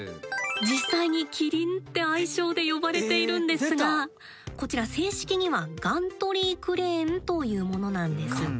実際に「キリン」って愛称で呼ばれているんですがこちら正式にはガントリークレーン。